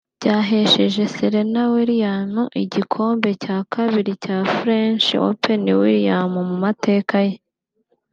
byahesheje Serena Williams igikombe cya kabiri cya French Open Williams mu mateka ye